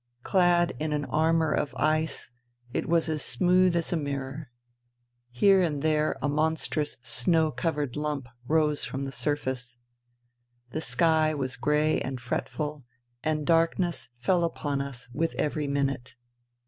Clad in an armour of ice, it was as smooth as a mirror. Here and there a monstrous snow covered lump rose from the surface. The sky was grey and fretful and darkness fell upon us with every minute.